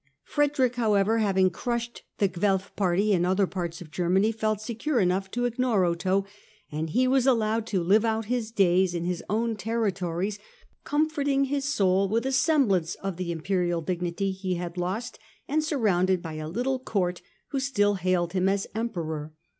Frederick, however, having crushed the Guelf party in other parts of Germany, felt secure enough to ignore Otho, and he was allowed to live out his days in his own territories, comforting his soul with a semblance of the Imperial dignity he had lost and surrounded by a little Court who still hailed him as Emperor.